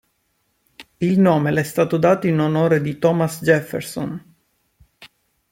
Il nome le è stato dato in onore di Thomas Jefferson.